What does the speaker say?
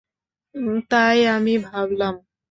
তাই আমি ভাবলাম।